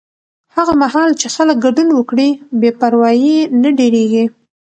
هغه مهال چې خلک ګډون وکړي، بې پروایي نه ډېریږي.